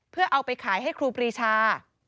เพื่อเอาไปขายให้ครูปรีชา